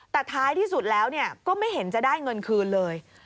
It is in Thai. แต่ท้ายที่สุดแล้วก็ไม่เห็นจะได้เงินคืนเลย